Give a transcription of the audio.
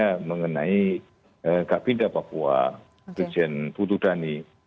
ya mengenai kabinda papua bijen putudani